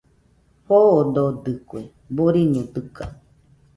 Foododɨkue, boriño dɨga